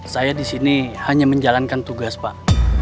saya disini hanya menjalankan tugas pak